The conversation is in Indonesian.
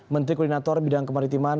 menteri koordinator bidang kemaritiman